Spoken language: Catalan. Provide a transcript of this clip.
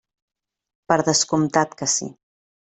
Per descomptat que sí.